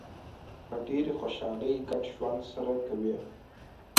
په ډېرې خوشحالۍ ګډ ژوند سره کوي.